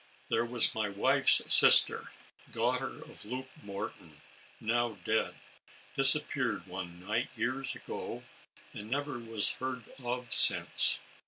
There was my wife's sister, daughter of Luke Morton, now dead, dis appeared one night years ago, and never was heard of since.